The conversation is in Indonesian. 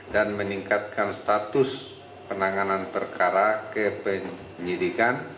dan meningkatkan status penanganan perkara kepenyidikan